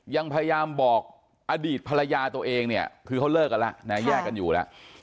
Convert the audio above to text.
ยังพยายามบอกอดีตภรรยาตัวเองเนี่ยคือเขาเลิกกันแล้วนะแยกกันอยู่แล้ว